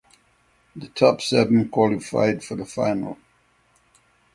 The top seven qualified for the final.